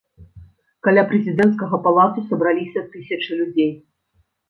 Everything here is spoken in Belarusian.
Каля прэзідэнцкага палацу сабраліся тысячы людзей.